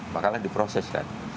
makanya diproses kan